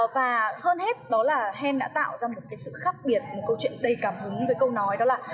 và hơn hết đó là hen đã tạo ra một cái sự khác biệt một câu chuyện đầy cảm hứng với câu nói đó là